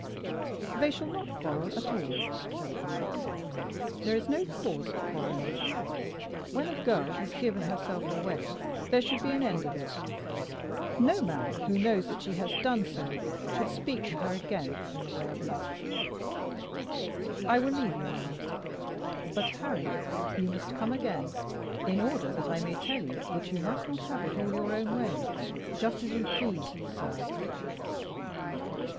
"They shall not quarrel at all," said Florence, "There is no cause for quarrelling. When a girl has given herself away there should be an end of it. No man who knows that she has done so should speak to her again in the way of love. I will leave you now; but, Harry, you must come again, in order that I may tell you that you must not have it all your own way, just as you please, sir."